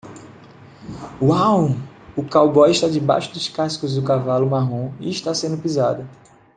Uau! O cowboy está debaixo dos cascos do cavalo marrom e está sendo pisado.